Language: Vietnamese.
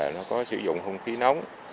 nó có sử dụng hung khí nóng